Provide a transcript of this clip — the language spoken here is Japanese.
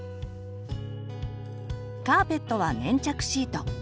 カーペットは粘着シート。